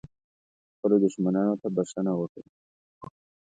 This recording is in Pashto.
خپلو دښمنانو ته بښنه وکړه .